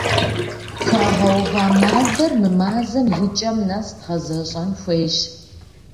Тхуагъэува мардэр мы мазэм и кӏэм нэс дгъэзэщӏэн хуейщ.